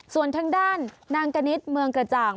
ส่วนทางด้านนางกณิตเมืองกระจ่าง